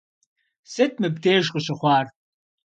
Сыт мыбдеж къыщыхъуар?